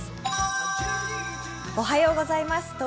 おはようございます。